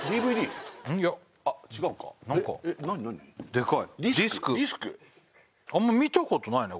でかいディスクあんま見たことないね